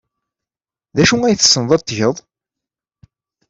D acu ay tessned ad t-tged?